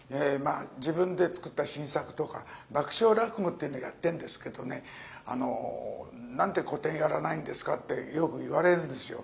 自分で作った新作とか爆笑落語っていうのやってんですけど何で古典やらないんですかってよく言われるんですよ。